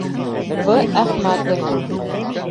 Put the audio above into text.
В. ӘХМӘТОВ.